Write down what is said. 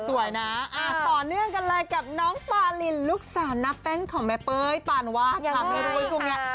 สวยนะต่อเนื่องกันเลยกับน้องปลารินลูกสาวนักแป้งของแม่เป้ยปานวาคความไม่รู้อยู่ตรงนี้